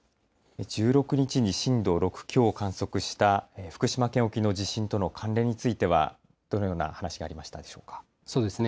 １６日に震度６強を観測した福島県沖の地震との関連についてはどのような話がありましたでしょうか。